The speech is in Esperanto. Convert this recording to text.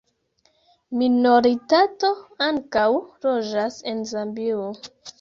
Minoritato ankaŭ loĝas en Zambio.